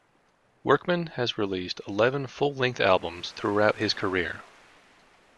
Workman has released eleven full-length albums throughout his career.